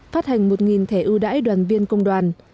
phát hành một thẻ ưu đãi đoàn viên công đoàn